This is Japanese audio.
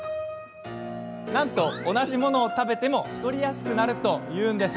なんと同じものを食べても太りやすくなるというんです。